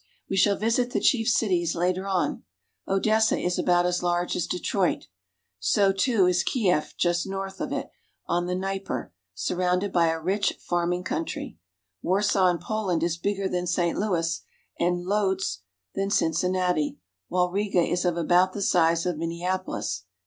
We shall visit the chief cities later on. Odessa is about as large as Detroit; so, too, is Kief just north of it, on the Dnieper, surrounded by a rich farming country ; Warsaw in Poland is bigger than St. Louis; and Lodz than Cin cinnati; while Riga is of about the size of Minneapolis.